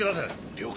了解。